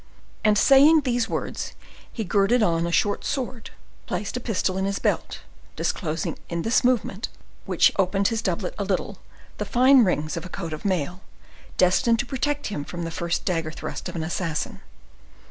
And saying these words, he girded on a short sword, placed a pistol in his belt, disclosing in this movement, which opened his doublet a little, the fine rings of a coat of mail, destined to protect him from the first dagger thrust of an assassin.